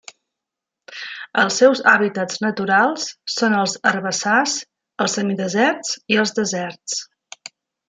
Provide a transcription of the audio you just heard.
Els seus hàbitats naturals són els herbassars, els semideserts i els deserts.